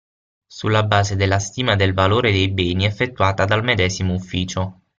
Sulla base della stima del valore dei beni effettuata dal medesimo ufficio.